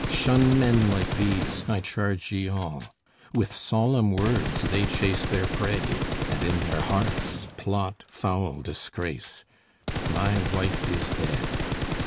Shun men like these, I charge ye all! With solemn words they chase their prey, and in their hearts plot foul disgrace. My wife is dead.